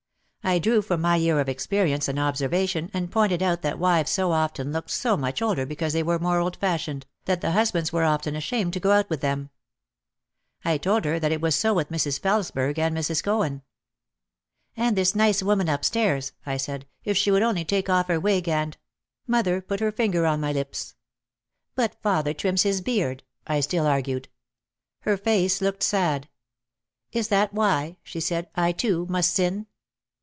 I drew from my year of experience and observation and pointed out that wives so often looked so much older because they were more old fashioned, that the hus bands were often ashamed to go out with them. I told her that it was so with Mrs. Felesberg and Mrs. Cohen. "And this nice woman upstairs," I said "if she would only take off her wig and ." Mother put her finger on my lips. "But father trims his beard," I still argued. Her face 154 OUT OF THE SHADOW looked sad. "Is that why," she said, "I too must sin?"